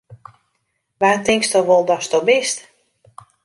Wa tinksto wol datsto bist!